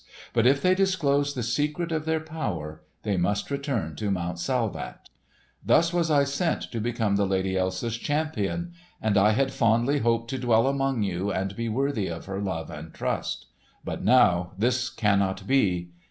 But if they disclose the secret of their power, they must return to Mount Salvat. "Thus was I sent to become the Lady Elsa's champion; and I had fondly hoped to dwell among you and be worthy of her love and trust. But now this cannot be.